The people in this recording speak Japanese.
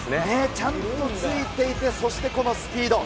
ちゃんとついていて、そしてこのスピード。